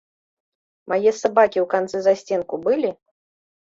Мае сабакі ў канцы засценку былі?